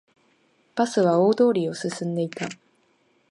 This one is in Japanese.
バスは大通りを進んでいた